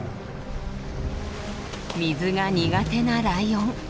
水が苦手なライオン。